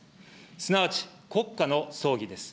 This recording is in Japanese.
すなわち、国家の葬儀です。